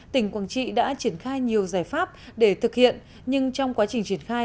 tỉnh quảng trị đã triển khai nhiều giải pháp để thực hiện nhưng trong quá trình triển khai